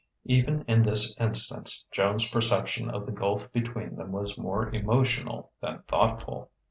Even in this instance, Joan's perception of the gulf between them was more emotional than thoughtful....